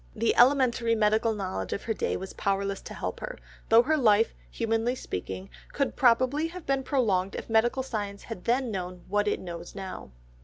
The elementary medical knowledge of her day was powerless to help her, though her life, humanly speaking, could probably have been prolonged if medical science had then known what it knows now.